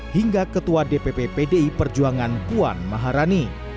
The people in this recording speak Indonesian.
hingga ketua dpp pdi perjuangan puan maharani